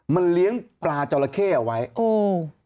มันเลี้ยงปลาเจ้ารักเข้อาวัยอู่